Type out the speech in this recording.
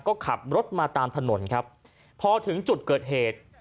ก็ขับรถมาตามถนนครับพอถึงจุดเกิดเหตุ